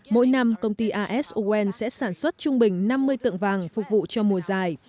mỗi năm công ty a s o n sẽ sản xuất trung bình năm mươi tượng vàng phục vụ cho mùa dài